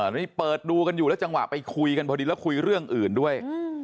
นี่เปิดดูกันอยู่แล้วจังหวะไปคุยกันพอดีแล้วคุยเรื่องอื่นด้วย